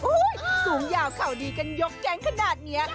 อุ๊ยสูงยาวเขาดีกันยกแจ๊งขนาดนี้